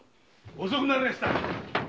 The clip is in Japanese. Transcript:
・遅くなりやした。